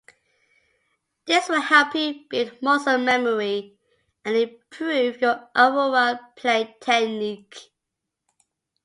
This will help you build muscle memory and improve your overall playing technique.